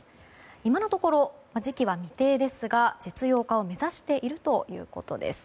今のところ時期は未定ですが実用化を目指しているということです。